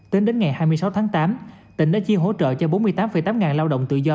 tính đến ngày hai mươi sáu tháng tám tỉnh đã chia hỗ trợ cho bốn mươi tám tám ngàn lao động tự do